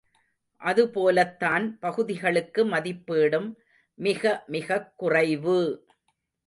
அதுபோலத்தான் பகுதிகளுக்கு மதிப்பீடும் மிக மிகக் குறைவு!